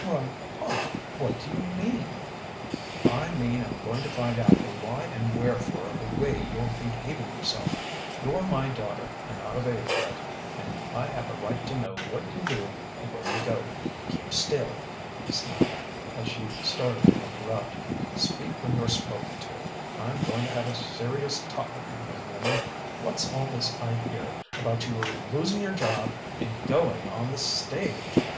"Why, pa what do you mean?" "I mean I'm going to find out the why and wherefore of the way you're behaving yourself. You're my daughter, and not of age yet, and I have a right to know what you do and where you go. Keep still!" he snapped, as she started to interrupt. "Speak when you're spoken to.... I'm going to have a serious talk with you, young woman.... What's all this I hear about your losing your job and going on the stage?"